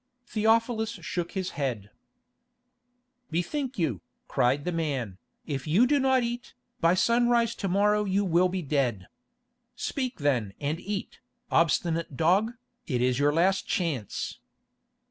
Theophilus shook his head. "Bethink you," cried the man, "if you do not eat, by sunrise to morrow you will be dead. Speak then and eat, obstinate dog, it is your last chance."